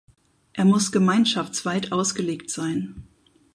Er muss gemeinschaftsweit ausgelegt sein.